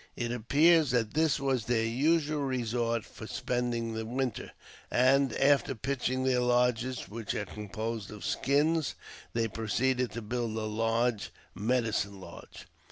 It appears that this was their usual resort for spending the winter ; and, after pitching their lodges, which are composed of skins, they proceeded to build a large " medicine lodge."